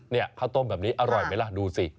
นี่ข้าวต้มแบบนี้อร่อยไหมล่ะดูสิ